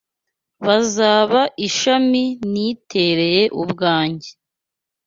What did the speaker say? Bazaba ishami nitereye ubwange